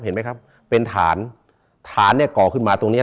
เห็นไหมครับเป็นฐานฐานเนี่ยก่อขึ้นมาตรงเนี้ย